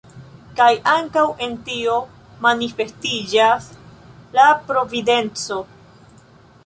Kaj ankaŭ en tio manifestiĝas la Providenco.